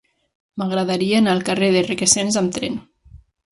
M'agradaria anar al carrer de Requesens amb tren.